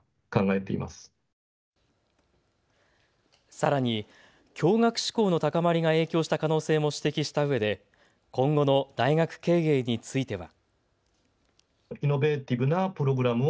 さらに共学志向の高まりが影響した可能性も指摘したうえで今後の大学経営については。